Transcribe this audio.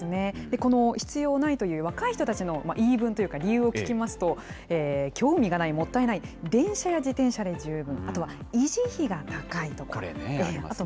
この必要ないという若い人たちの言い分というか、理由を聞きますと、興味がない、もったいない、電車や自転車で十分、あとは維持費がかかるとか。